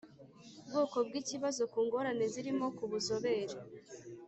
Bwoko bw ikibazo ku ngorane zirimo ku buzobere